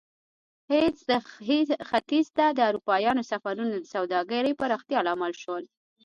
ختیځ ته د اروپایانو سفرونه د سوداګرۍ پراختیا لامل شول.